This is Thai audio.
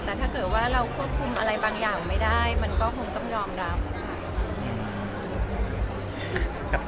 แต่ถ้าเกิดว่าเราควบคุมอะไรบางอย่างไม่ได้มันก็คงต้องยอมรับค่ะ